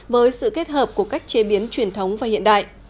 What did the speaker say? với sự kết hợp của cách chế biến truyền thống và hiện đại